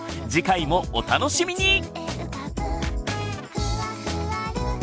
次回もお楽しみに！